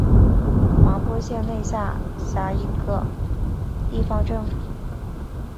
麻坡县内下辖一个地方政府。